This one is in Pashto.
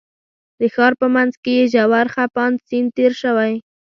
د ښار په منځ کې یې ژور څپاند سیند تېر شوی.